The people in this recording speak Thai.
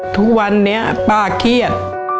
ทุกวันนี้ป้าเครียด